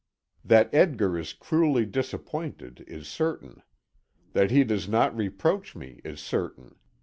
That Edgar is cruelly disappointed is certain. That he does not reproach me is certain.